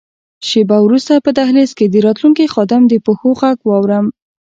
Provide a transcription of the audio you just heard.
شیبه وروسته په دهلېز کې د راتلونکي خادم د پښو ږغ واورم.